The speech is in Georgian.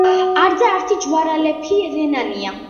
არძა ართი ჯვარალეფი რენანია.